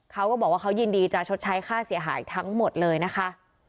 เขาก็บอกว่าเขายินดีจะชดใช้ค่าเสียหายทั้งหมดเลยนะคะ